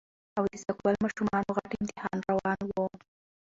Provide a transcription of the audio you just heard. او د سکول ماشومانو غټ امتحان روان وو